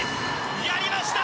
やりました！